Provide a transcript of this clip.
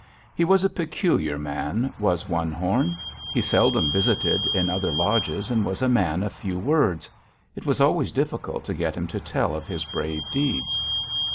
He was a peculiar man, was One Horn. He seldom visited in other lodges, and was a man of few words; it was always difficult to get him to tell of his brave deeds.